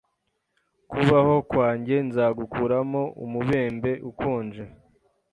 kubaho kwanjye nzagukuramo umubembe ukonje